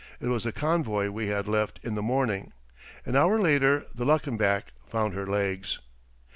It was the convoy we had left in the morning. An hour later the Luckenbach found her legs.